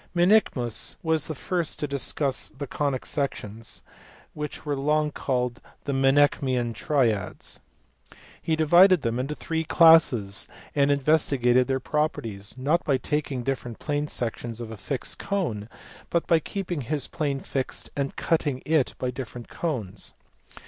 Menaechmus was the first to discuss the conic sections, which were long called the Menaechmian triads. He divided them into three classes, and investigated their properties, not by taking different plane sections of a fixed cone, but by keeping his plane fixed and cutting it by different cones.